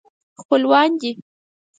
خپلوان دي.